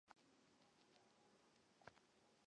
大部分组成部分已经成为独立国家。